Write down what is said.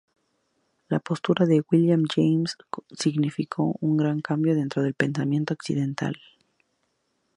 La postura de William James significó un gran cambio dentro del pensamiento occidental.